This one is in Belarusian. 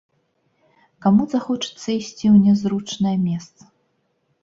Каму захочацца ісці ў нязручнае месца?